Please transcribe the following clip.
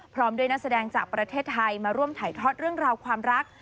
พร้อมด้วยนักแสดงจากประเทศไทยมาร่วมถ่ายทอดเรื่องราวความรัก